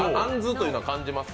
あんずというのは感じますか？